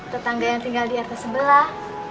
tetangga yang tinggal di rt sebelah